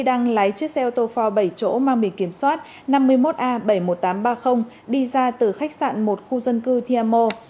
đang lái chiếc xe ô tô for bảy chỗ mang bì kiểm soát năm mươi một a bảy mươi một nghìn tám trăm ba mươi đi ra từ khách sạn một khu dân cư thiamo